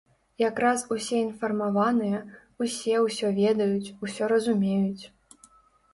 Якраз усе інфармаваныя, усе ўсё ведаюць, усё разумеюць.